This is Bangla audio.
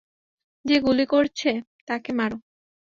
যে গুলি করছে তাকে মারো।